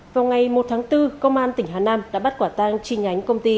vào ngày một tháng bốn công an tỉnh hà nam đã bắt quả tang chi nhánh công ty